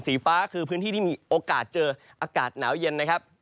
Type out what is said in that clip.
สีฟ้าคือพื้นที่ที่มีโอกาสเจออากาศหนาวเย็นนะครับ